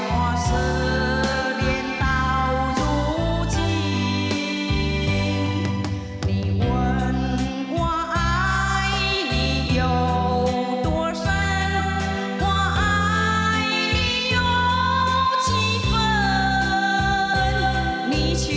ขอรับความรักของฉันได้เกี่ยวกับความรักของฉัน